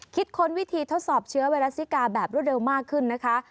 ค้นวิธีทดสอบเชื้อไวรัสซิกาแบบรวดเร็วมากขึ้นนะคะ